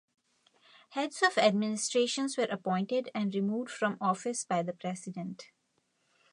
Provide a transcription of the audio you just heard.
Heads of administrations were appointed and removed from office by the president.